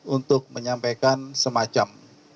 untuk menyampaikan semacam